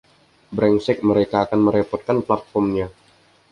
Berengsek, mereka akan merepotkan platformnya.